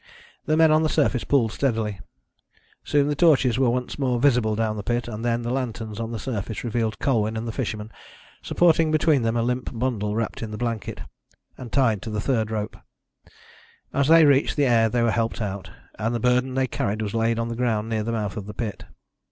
The men on the surface pulled steadily. Soon the torches were once more visible down the pit, and then the lanterns on the surface revealed Colwyn and the fisherman, supporting between them a limp bundle wrapped in the blanket, and tied to the third rope. As they reached the air they were helped out, and the burden they carried was laid on the ground near the mouth of the pit.